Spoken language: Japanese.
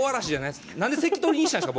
なんで関取にしたいんですか